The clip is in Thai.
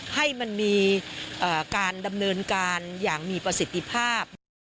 ให้มันมีการดำเนินการอย่างมีประสิทธิภาพนะคะ